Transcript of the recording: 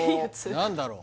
何だろう？